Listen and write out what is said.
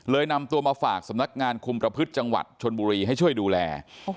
นำตัวมาฝากสำนักงานคุมประพฤติจังหวัดชนบุรีให้ช่วยดูแล